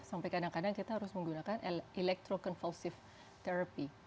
sampai kadang kadang kita harus menggunakan electroconvalsive therapy